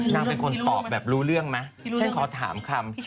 นางเป็นคนตอบแบบรู้เรื่องไหมฉันขอถามคำ